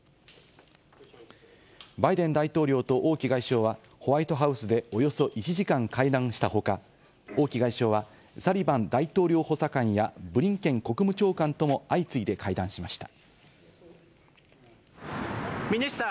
バイデン大統領と王毅外相は、ホワイトハウスでおよそ１時間会談したほか、王毅外相はサリバン大統領補佐官や、ブリンケン国務長官とも相次いで会談しました。